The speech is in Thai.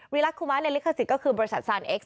รักคุมะในลิขสิทธิ์ก็คือบริษัทซานเอ็กซ